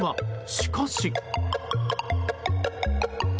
しかし。